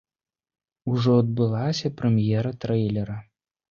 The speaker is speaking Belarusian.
Ужо адбылася прэм'ера трэйлера.